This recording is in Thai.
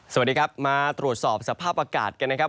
สวัสดีครับมาตรวจสอบสภาพอากาศกันนะครับ